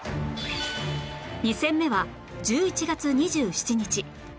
２戦目は１１月２７日